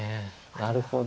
なるほど。